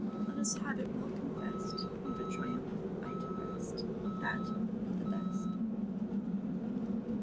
Let us have it well confessed : You to triumph, I to rest. That will be the best.